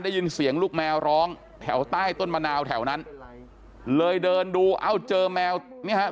ได้ยินเสียงลูกแมวร้องแถวใต้ต้นมะนาวแถวนั้นเลยเดินดูเอ้าเจอแมวเนี่ยฮะ